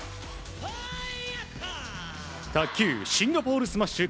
卓球シンガポールスマッシュ